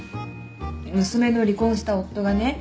娘の離婚した夫がね